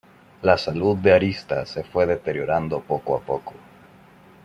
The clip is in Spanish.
La salud de Arista se fue deteriorando poco a poco.